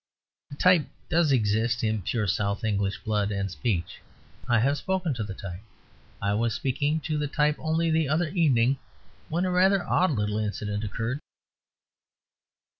The type does exist in pure South England blood and speech; I have spoken to the type. I was speaking to the type only the other evening, when a rather odd little incident occurred.